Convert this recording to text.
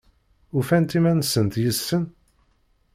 Ufant iman-nsent yid-sen?